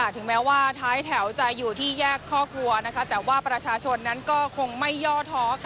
ถึงแม้ว่าท้ายแถวจะอยู่ที่แยกคอกวัวแต่ว่าประชาชนนั้นก็คงไม่ย่อท้อค่ะ